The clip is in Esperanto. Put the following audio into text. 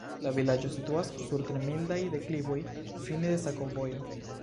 La vilaĝo situas sur tre mildaj deklivoj, fine de sakovojo.